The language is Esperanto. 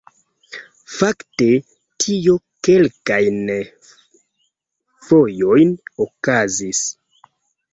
Fakte tio kelkajn fojojn okazis